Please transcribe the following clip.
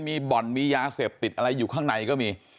มีบ่อนมียาเสพติดอะไรอยู่ข้างในก็มี